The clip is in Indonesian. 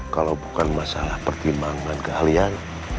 kalau bukan masalah pertimbangan keahlian